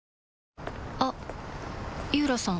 あっ井浦さん